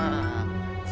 alika juga tuh